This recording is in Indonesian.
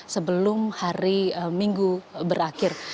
sebelum hari minggu berakhir